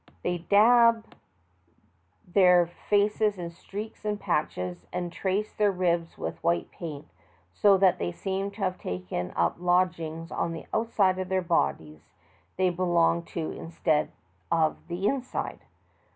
They daub their 202 THE TALKING HANDKERCHIEF. faces in streaks and patches, and trace their ribs with white paint, so that they seem to have taken up lodgings on the outside of the bodies they belong to instead of the inside.